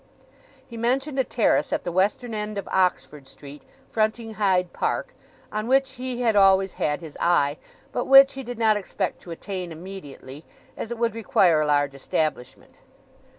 He mentioned a terrace at the western end of Oxford Street, fronting Hyde Park, on which he had always had his eye, but which he did not expect to attain immediately, as it would require a large establishment.